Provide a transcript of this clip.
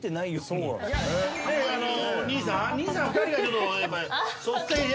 兄さん２人がちょっとやっぱ率先して。